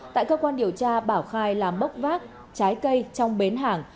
tại cơ quan điều tra bảo khai làm bốc vác trái cây trong bến hàng